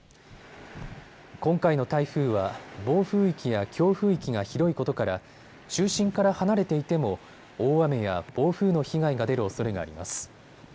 今回の台風は暴風域や強風域が広いことから中心から離れていても大雨や暴風の被害が出るおそれがあります。